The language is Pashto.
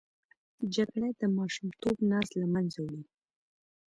جګړه د ماشومتوب ناز له منځه وړي